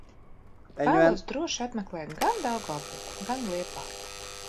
Vēlos droši apmeklēt gan Daugavpili, gan Liepāju.